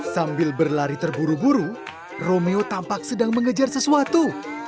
sambil berlari terburu buru romeo tampak sedang mengejar sesuatu